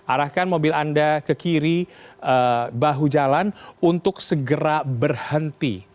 arahkan mobil anda ke kiri bahu jalan untuk segera berhenti